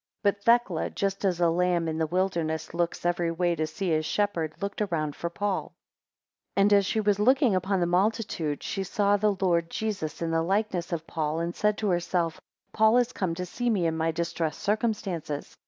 11 But Thecla, just as a lamb in the wilderness looks every way to see his shepherd, looked around for Paul; 12 And as she was looking upon the multitude, she saw the Lord Jesus in the likeness of Paul, and said to herself, Paul is come to see me in my distressed circumstances.